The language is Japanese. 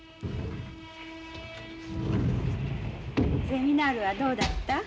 ゼミナールはどうだった？